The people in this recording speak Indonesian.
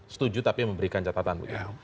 setuju tapi memberikan catatan